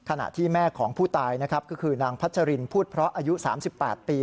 ขณะที่แม่ของผู้ตายนะครับก็คือนางพัชรินพูดเพราะอายุ๓๘ปี